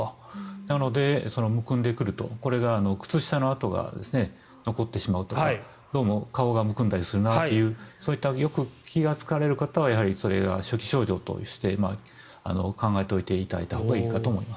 なので、むくんでくるとこれが靴下の痕が残ってしまうとかどうも顔がむくんだりするなっていうそういう、よく気がつかれる方はやはりそれが初期症状として考えておいていただいたほうがいいと思います。